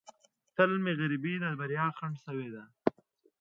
تل مې غریبۍ د بریا خنډ شوې ده.